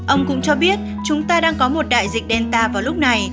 ông cũng cho biết chúng ta đang có một đại dịch delta vào lúc này